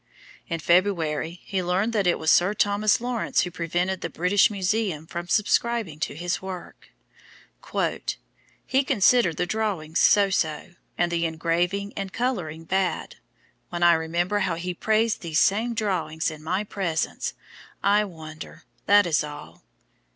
In February he learned that it was Sir Thomas Lawrence who prevented the British Museum from subscribing to his work: "He considered the drawings so so, and the engraving and colouring bad; when I remember how he praised these same drawings in my presence, I wonder that is all."